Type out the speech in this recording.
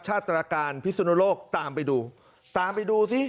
ตรการพิสุนโลกตามไปดูตามไปดูสิ